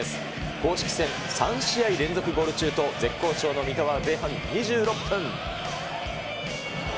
公式戦３試合連続ゴール中と絶好調の三笘は前半２６分。